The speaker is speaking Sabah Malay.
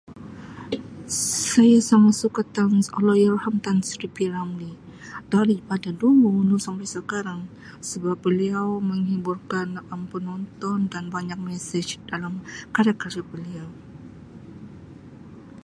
Saya sangat suka [unintelligible] Allahyarham Tan Sri P Ramlee daripada dulu sampai sekarang sebab beliau menghiburkan Um penonton dan banyak mesej dalam karya-karya beliau.